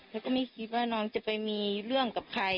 แล้วก็ไม่คิดว่าน้องจะไปมีเรื่องกับใคร